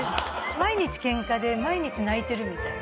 毎日ケンカで毎日泣いてるみたいな。